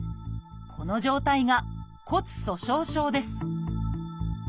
この状態が骨粗しょう症です